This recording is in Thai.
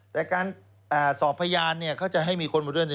แต่การสอบพยานเขาจะให้มีคนมาด้วย